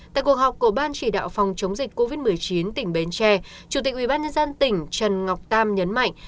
tại cuộc họp của ban chỉ đạo phòng chống dịch covid một mươi chín tỉnh bến tre chủ tịch ubnd tỉnh trần ngọc tam nhấn mạnh